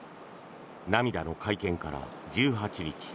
涙の会見から１８日。